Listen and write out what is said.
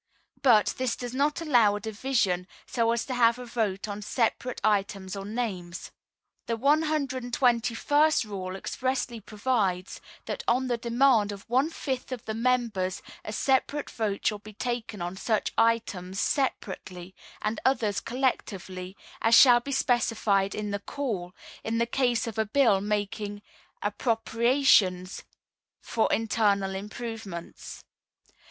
But this does not allow a division so as to have a vote on separate items or names. The 121st Rule expressly provides that on the demand of one fifth of the members a separate vote shall be taken on such items separately, and others collectively, as shall be specified in the call, in the case of a bill making appropriations for internal improvements.